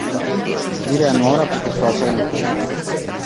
Dire a nuora perché suocera intenda.